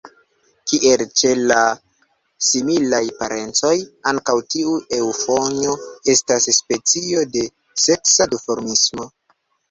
Kiel ĉe la similaj parencoj, ankaŭ tiu eŭfonjo estas specio de seksa duformismo.